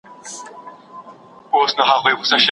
اهل الذمو ته په خپلو سیمو کښي بشپړه آزادي په برخه ده.